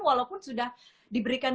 walaupun sudah diberikan